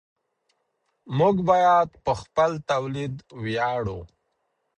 موږ باید په خپل تولید ویاړو.